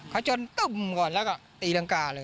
เขาจนตุ้มก่อนแล้วก็ตีรังกาเลย